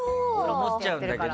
思っちゃうんだけど。